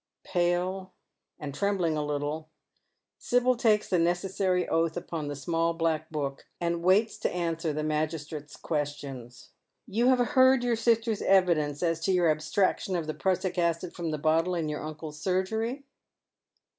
Pale, and trembling a little, Sibyl takes the necessary oath upon ihe small black book, and waits to answer the magistrate's questions. " You have heard your sister's evidence as to your abstraction of the prussic acid from the bottle in your uncle's surgery